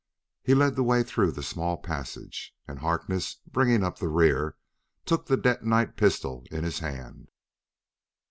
He led the way through the small passage. And Harkness, bringing up the rear, took the detonite pistol in his hand.